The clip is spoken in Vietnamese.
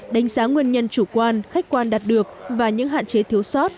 đánh giá nguyên nhân chủ quan khách quan đạt được và những hạn chế thiếu sót